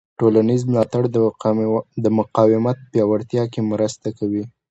ټولنیز ملاتړ د مقاومت په پیاوړتیا کې مرسته کوي.